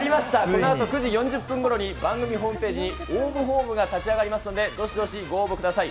このあと９時４０分ごろに番組ホームページに応募方法が立ち上がりますので、どしどしご応募ください。